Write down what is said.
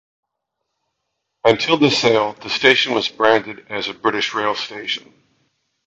Until the sale, the station was branded as a British Rail station.